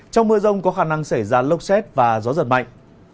trong mưa rông có khả năng xảy ra lốc xét và gió giật mạnh